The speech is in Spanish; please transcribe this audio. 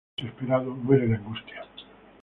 El español, loco y desesperado, muere de angustia.